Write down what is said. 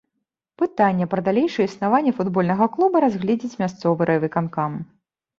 Пытанне пра далейшае існаванне футбольнага клуба разгледзіць мясцовы райвыканкам.